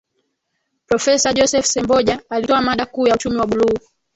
Profesa Joseph Semboja alitoa mada kuu ya Uchumi wa Buluu